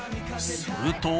すると。